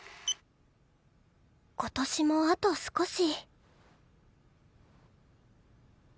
今年もあと少し